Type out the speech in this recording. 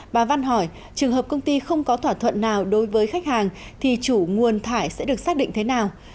bà văn hỏi trường hợp công ty không có thỏa thuận nào đối với khách hàng thì chủ nguồn thải sẽ được xác định thế nào